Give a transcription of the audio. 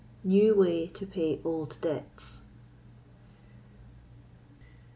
New Way to Pay Old Debts.